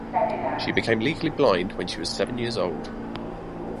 She became legally blind when she was seven years old.